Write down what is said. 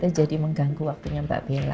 tante jadi mengganggu waktunya mbak bella